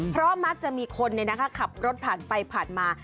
เพราะมักจะมีคนขับรถผ่านไปผ่านมา